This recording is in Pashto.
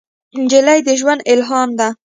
نجلۍ د ژوند الهام ده.